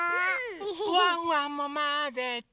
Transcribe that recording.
ワンワンもまぜて！